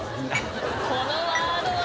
このワードは。